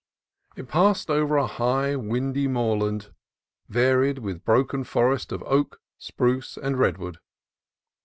It passed over a high, windy moorland, va ried with broken forest of oak, spruce, and redwood.